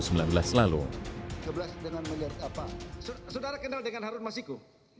sebelah saudara kenal dengan harun masiku